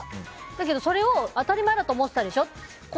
だけどそれを当たり前と思ってたでしょ。